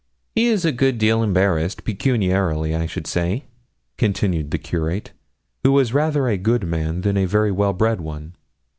'He is a good deal embarrassed pecuniarily, I should say,' continued the curate, who was rather a good man than a very well bred one.